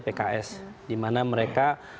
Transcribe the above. pks di mana mereka